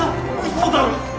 嘘だろ。